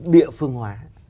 địa phương hóa